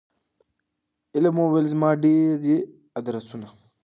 علم وویل زما ډیر دي آدرسونه